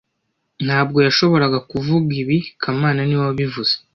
Ntabwo yashoboraga kuvuga ibi kamana niwe wabivuze